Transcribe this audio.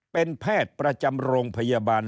เป็นแพทย์ประจำโรงพยาบาล